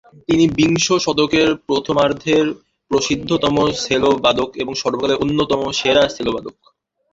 তিনি বিংশ শতকের প্রথমার্ধের প্রসিদ্ধতম সেলোবাদক এবং সর্বকালের অন্যতম সেরা সেলোবাদক।